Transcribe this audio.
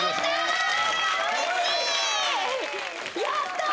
やったー！